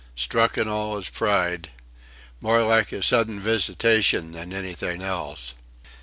Struck in all his pride... More like a sudden visitation than anything else."